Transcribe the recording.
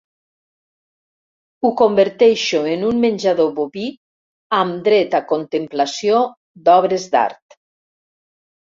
Ho converteixo en un menjador boví amb dret a contemplació d'obres d'art.